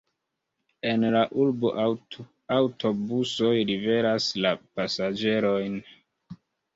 En la urbo aŭtobusoj liveras la pasaĝerojn.